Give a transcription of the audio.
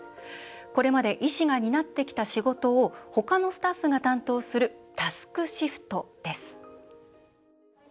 これまで医師が担ってきた仕事を他のスタッフが担当するタスクシフトです。